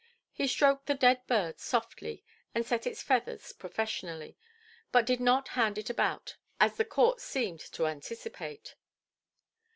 He stroked the dead bird softly, and set its feathers professionally, but did not hand it about, as the court seemed to anticipate.